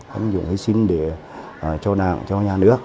hãy dùng hy sinh để cho đảng cho nhà nước